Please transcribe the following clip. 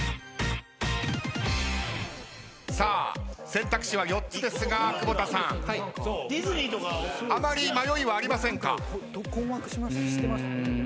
選択肢は４つですが窪田さん。あまり迷いはありませんか？